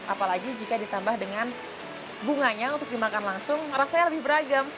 apalagi jika ditambah dengan bunganya untuk dimakan langsung rasanya lebih beragam